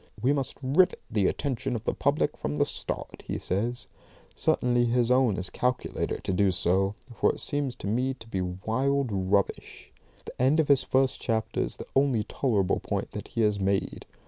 We must rivet the attention of the public from the start, he says. Certainly, his own is calculated to do so, for it seems to me to be wild rubbish. The end of his first chapter is the only tolerable point that he has made.